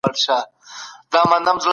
حق واخلئ او حق ته درناوی وکړئ.